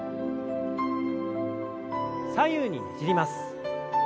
左右にねじります。